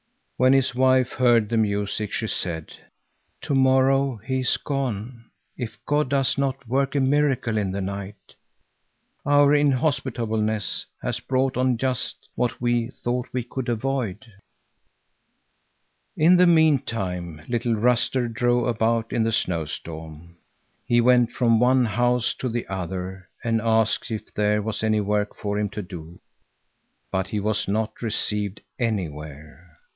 When his wife heard the music, she said: "Tomorrow he is gone, if God does not work a miracle in the night. Our inhospitableness has brought on just what we thought we could avoid." In the meantime little Ruster drove about in the snowstorm. He went from one house to the other and asked if there was any work for him to do, but he was not received anywhere.